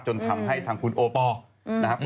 จนทำให้ทางคุณโอปอล์นะครับ